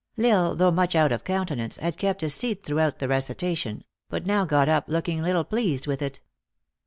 L Isle, though much out of countenance, had kept his seat through the recitation, but now got up look ing little pleased with it.